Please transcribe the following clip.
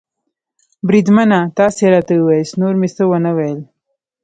بریدمنه، تاسې راته ووایاست، نور مې څه و نه ویل.